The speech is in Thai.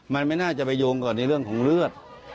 มันไม่น่าจะไปโยงก่อนในเรื่องของเลือด